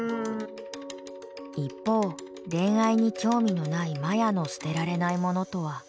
一方恋愛に興味のないマヤの捨てられないものとは。